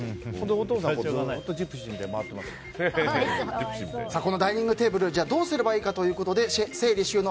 お父さん、ずっとこのダイニングテーブルどうすればいいかということで整理収納